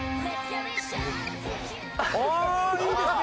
ああいいですね。